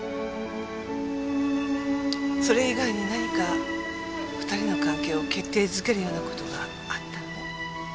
それ以外に何か２人の関係を決定づけるような事があったの？